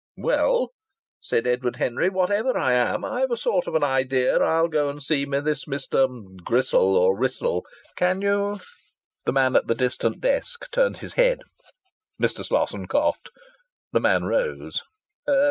"Well," said Edward Henry, "whatever I am, I have a sort of idea I'll go and see this Mr. Gristle or Wrissell. Can you " The man at the distant desk turned his head. Mr. Slosson coughed. The man rose.